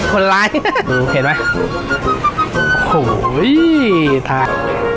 คนลายดูเห็นไหมโอ้โหอี้ทาย